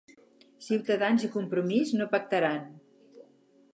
Ciutadans i Compromís no pactaran